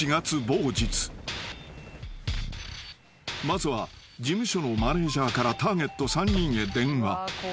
［まずは事務所のマネジャーからターゲット３人へ電話］